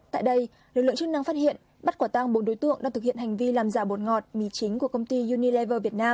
tại đây lực lượng chức năng phát hiện bắt quả tang bốn đối tượng đang thực hiện hành vi làm giả bột ngọt mì chính của công ty unilever việt nam